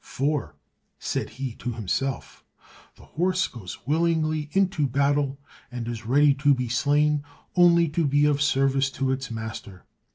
"For," said he to himself, "the horse goes willingly into battle, and is ready to be slain only to be of service to its master.